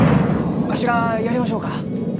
わしがやりましょうか？